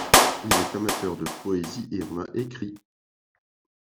Il était amateur de poésie et en a écrit.